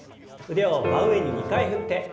腕を真上に２回振って。